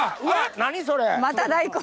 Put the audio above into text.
何それ！